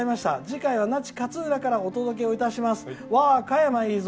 次回は那智勝浦からお届けをいたします。